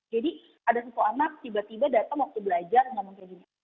jadi ada suku anak tiba tiba datang waktu belajar ngomong kayak gini